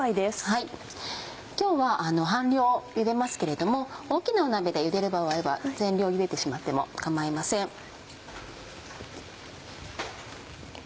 今日は半量ゆでますけれども大きな鍋でゆでる場合は全量入れてしまっても構いません。